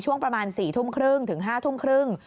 ช่วงประมาณ๔๕ทุ่มครึ่ง